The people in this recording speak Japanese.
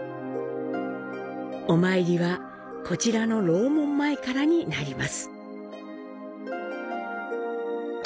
お参りはこちらの楼門前からになります。